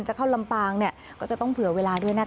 จะเข้าลำปางก็จะต้องเผื่อเวลาด้วยนะคะ